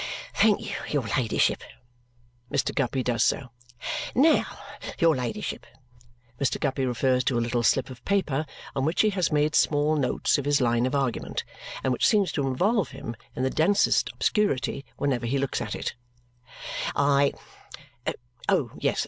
"Thank your ladyship." Mr. Guppy does so. "Now, your ladyship" Mr. Guppy refers to a little slip of paper on which he has made small notes of his line of argument and which seems to involve him in the densest obscurity whenever he looks at it "I Oh, yes!